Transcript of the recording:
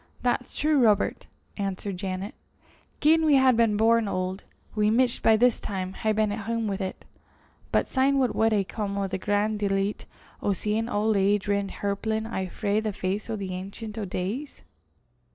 "That's true, Robert," answered Janet. "Gien we had been born auld, we micht by this time hae been at hame wi' 't. But syne what wad hae come o' the gran' delicht o' seein' auld age rin hirplin awa frae the face o' the Auncient o' Days?"